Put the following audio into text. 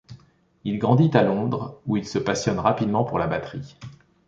Il grandit à Londres, où il se passionne rapidement pour la batterie.